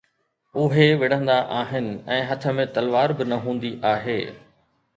اهي وڙهندا آهن ۽ هٿ ۾ تلوار به نه هوندي آهي